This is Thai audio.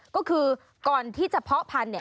ก็คือก่อนที่จะเพาะพันธุเนี่ย